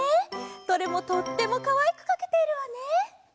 どれもとってもかわいくかけているわね！